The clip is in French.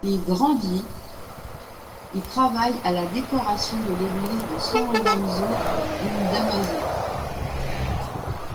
Grandi, il travaille à la décoration de l'église de San Lorenzo in Damaso.